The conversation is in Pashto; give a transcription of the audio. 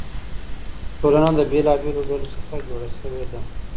ټولنه د بېلابېلو ډلو څخه جوړه سوې ده.